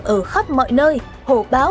ở khắp mọi nơi hổ báo